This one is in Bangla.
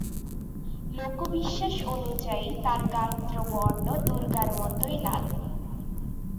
লোকবিশ্বাস অনুযায়ী, তার গাত্রবর্ণ দুর্গার মতোই লাল।